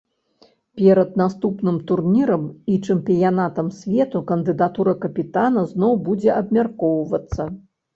Перад наступным турнірам і чэмпіянатам свету кандыдатура капітана зноў будзе абмяркоўвацца.